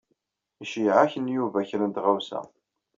Iceyyeɛ-ak-n Yuba kra n tɣawsa.